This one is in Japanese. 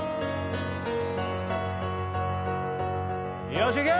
よしいけ！